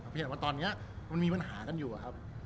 เห็นว่าตอนนี้มันมีปัญหากันอยู่ครับ